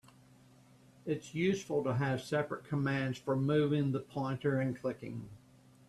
It's useful to have separate commands for moving the pointer and clicking.